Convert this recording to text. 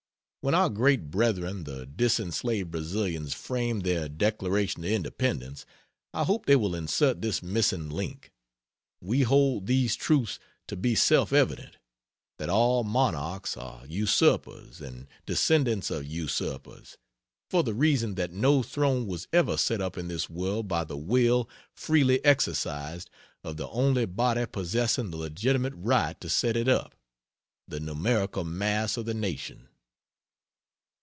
When our great brethren the disenslaved Brazilians frame their Declaration of Independence, I hope they will insert this missing link: "We hold these truths to be self evident: that all monarchs are usurpers, and descendants of usurpers; for the reason that no throne was ever set up in this world by the will, freely exercised, of the only body possessing the legitimate right to set it up the numerical mass of the nation."